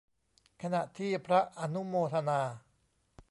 ขณะที่พระอนุโมทนา